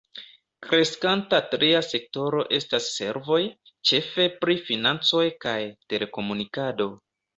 Kreskanta tria sektoro estas servoj, ĉefe pri financoj kaj telekomunikado.